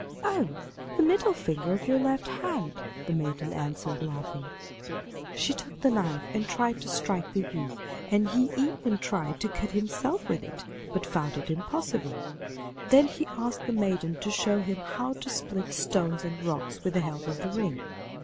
'Oh, the middle finger of your left hand,' the maiden answered, laughing. She took the knife and tried to strike the youth, and he even tried to cut himself with it, but found it impossible. Then he asked the maiden to show him how to split stones and rocks with the help of the ring.